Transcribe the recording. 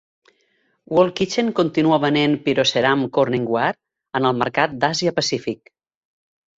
World Kitchen continua venent Pyroceram Corning Ware en el mercat d'Àsia-Pacífic.